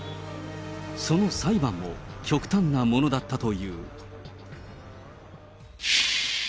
その裁判も極端なものだったという。